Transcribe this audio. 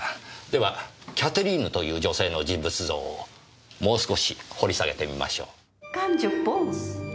ではキャテリーヌという女性の人物像をもう少し掘り下げてみましょう。